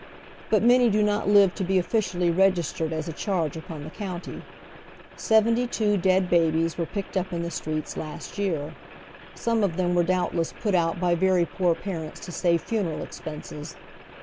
But many do not live to be officially registered as a charge upon the county. Seventy two dead babies were picked up in the streets last year. Some oy Google "WAIFS OF THE CITY'S SLUMS. 189 of them were doubtless put out by very poor pai ents to save funeral expenses.